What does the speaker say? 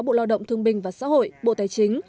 bộ lo động thương bình và xã hội bộ tài chính